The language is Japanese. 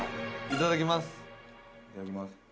いただきます。